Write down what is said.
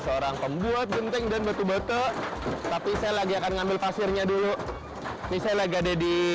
orang pembuat genteng dan betul betul tapi saya lagi akan ngambil pasirnya dulu misalnya gede di